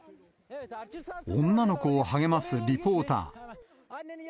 女の子を励ますリポーター。